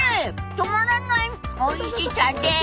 止まらないおいしさです。